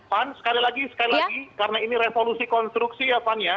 van van sekali lagi sekali lagi karena ini revolusi konstruksi ya van ya